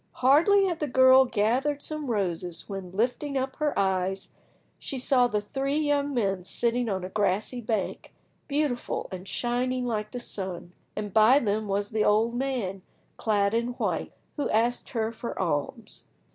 Hardly had the girl gathered some roses, when, lifting up her eyes, she saw the three young men sitting on a grassy bank, beautiful, and shining like the sun, and by them was the old man, clad in white, who asked her for alms.